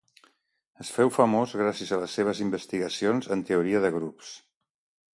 Es féu famós gràcies a les seves investigacions en teoria de grups.